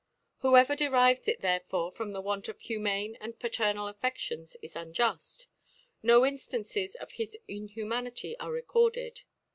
Whoever derives it therefore from the Want of humane and paternal AfFedions is un juft ; no Inftances of his Inhumanity are re corded.